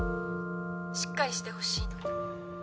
しっかりしてほしいの。